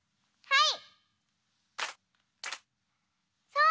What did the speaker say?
はい！